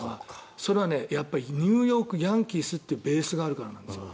それはニューヨーク・ヤンキースというベースがあるからなんです。